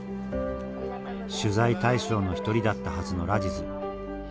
取材対象の一人だったはずのラジズ。